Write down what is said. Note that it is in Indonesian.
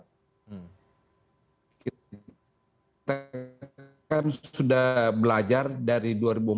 dan juga adalah hubungan yang sudah belajar dari dua ribu empat belas